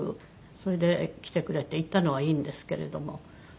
それで来てくれて行ったのはいいんですけれども。